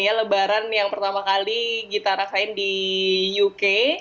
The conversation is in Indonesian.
ya lebaran yang pertama kali gita rasain di uk